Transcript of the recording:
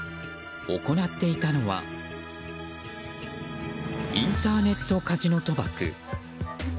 行っていたのはインターネットカジノ賭博。